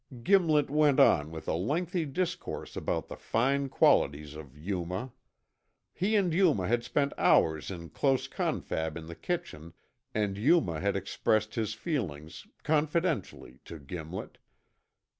Gimlet went on with a lengthy discourse about the fine qualities of Yuma. He and Yuma had spent hours in close confab in the kitchen, and Yuma had expressed his feelings, confidentially, to Gimlet.